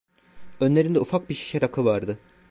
Önlerinde ufak bir şişe rakı vardı.